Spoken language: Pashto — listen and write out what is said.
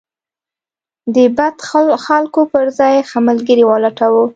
د بد خلکو پر ځای ښه ملګري ولټوه.